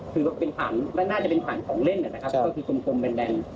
คือว่าเป็นฐานมันน่าจะเป็นฐานของเล่นคือกลมแบนดัน